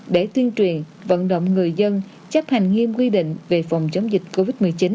để tuyên truyền vận động người dân chấp hành nghiêm quy định về phòng chống dịch covid một mươi chín